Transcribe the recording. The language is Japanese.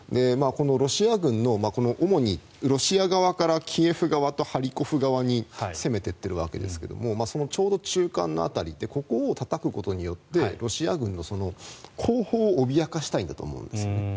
このロシア軍の主にロシア側からキエフ側とハリコフ側に攻めていっているわけですがそのちょうど中間の辺りここをたたくことによってロシア軍の後方を脅かしたいんだと思うんです。